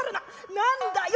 何だよ」。